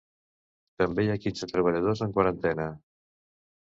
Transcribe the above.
També hi ha quinze treballadors en quarantena.